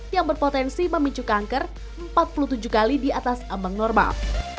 yang berpotensi memicu kanker empat puluh tujuh kali di atas ambang normal